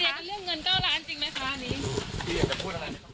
อยากขอความยุติธรรมอะไรไหมคะ